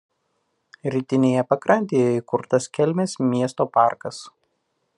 Rytinėje pakrantėje įkurtas Kelmės miesto parkas.